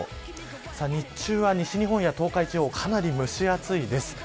日中は西日本や東海地方かなり蒸し暑いです。